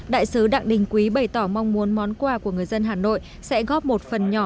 đại sứ đặng đình quý bày tỏ mong muốn món quà của người dân hà nội sẽ góp một phần nhỏ